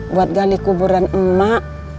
buat gali kuburan emak